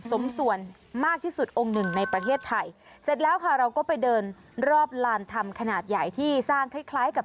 สมส่วนมากที่สุดองค์หนึ่งในประเทศไทยเสร็จแล้วค่ะเราก็ไปเดินรอบลานธรรมขนาดใหญ่ที่สร้างคล้ายคล้ายกับ